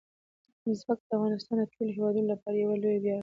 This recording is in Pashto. ځمکه د افغانستان د ټولو هیوادوالو لپاره یو لوی ویاړ دی.